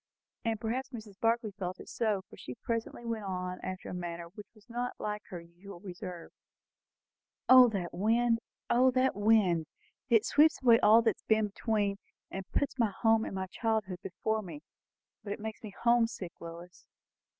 And perhaps Mrs. Barclay felt it so, for she presently went on after a manner which was not like her usual reserve. "O that wind! O that wind! It sweeps away all that has been between, and puts home and my childhood before me. But it makes me home sick, Lois!"